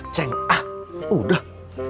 ceng ah udah